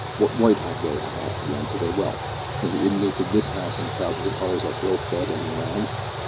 What right have they, I ask again, to their wealth, when the inmates of this house, and thousands of others, are ill fed and in rags?